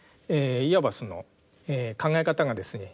いわばその考え方がですね